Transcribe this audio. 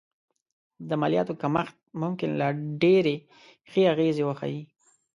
د مالیاتو کمښت ممکن لا ډېرې ښې اغېزې وښيي